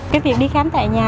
cái việc đi khám tại nhà